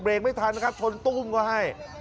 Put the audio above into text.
ไม่ทันนะครับชนตุ้มก็ให้